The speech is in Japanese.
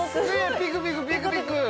ピクピクピクピク！